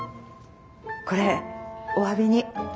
これおわびに。